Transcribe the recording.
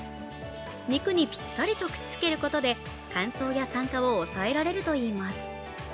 肉にぴったりとくっつけることで乾燥や酸化を抑えられるといいます。